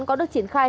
có được triển khai